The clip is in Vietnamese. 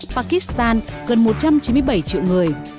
pakistan gần một trăm chín mươi bảy triệu người